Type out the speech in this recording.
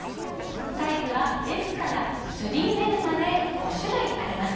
サイズはＳから３Ｌまで５種類あります。